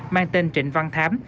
mang tên trịnh văn thám